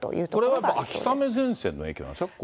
これは秋雨前線の影響なんですか？